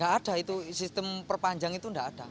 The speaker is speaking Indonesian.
gak ada itu sistem perpanjang itu gak ada